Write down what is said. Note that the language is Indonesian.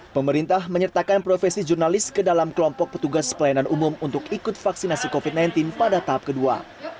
pemerintah menyertakan profesi jurnalis ke dalam kelompok petugas pelayanan umum untuk ikut vaksinasi covid sembilan belas pada tahap kedua